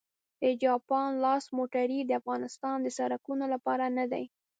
د جاپان لاس موټرې د افغانستان د سړکونو لپاره نه دي